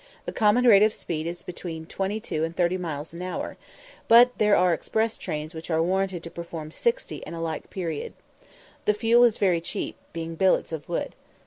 The common rate of speed is from 22 to 30 miles an hour, but there are express trains which are warranted to perform 60 in a like period. The fuel is very cheap, being billets of wood.